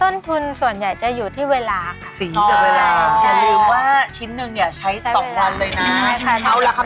ต้นทุนส่วนใหญ่จะอยู่ที่เวลาค่ะ